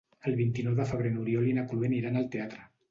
El vint-i-nou de febrer n'Oriol i na Cloè aniran al teatre.